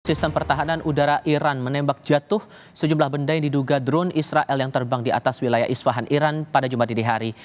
sistem pertahanan udara iran menembak jatuh sejumlah benda yang diduga drone israel yang terbang di atas wilayah iswahan iran pada jumat dinihari